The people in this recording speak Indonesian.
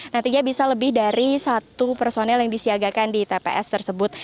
nantinya bisa lebih dari satu personel yang disiagakan di tps tersebut